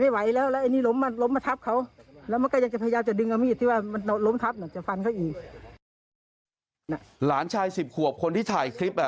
หลานชาย๑๐ขวบคนที่ถ่ายคลิปอ่ะ